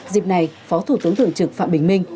dịp này phó thủ tướng thường trực phạm bình minh